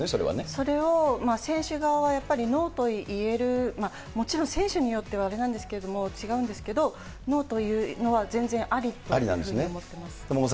それを選手側はやっぱりノーと言える、もちろん選手によってはあれなんですけれども、違うんですけれども、ノーと言うのは全然ありというふうに思ってます。